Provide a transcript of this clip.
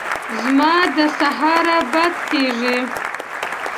زما د سهاره بد کېږي !